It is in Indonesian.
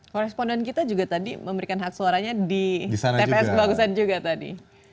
koresponden kita juga tadi memberikan hak suaranya di tps kebagusan juga tadi